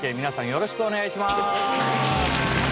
よろしくお願いします。